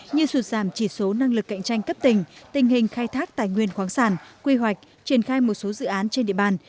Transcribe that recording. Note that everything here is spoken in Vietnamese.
như sụt giảm chỉ số năng lực cạnh tranh cấp tình tình hình khai thác tài nguyên khoáng sản quy hoạch triển khai một số dự án trên địa bàn